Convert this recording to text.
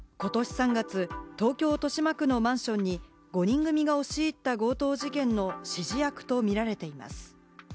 ことし３月、東京・豊島区のマンションに５人組が押し入った強盗事件の指示役とみられています。